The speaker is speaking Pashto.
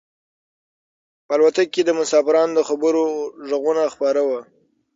په الوتکه کې د مسافرانو د خبرو غږونه خپاره وو.